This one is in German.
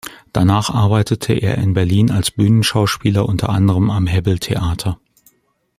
Danach arbeitete er in Berlin als Bühnenschauspieler unter anderem am Hebbel-Theater.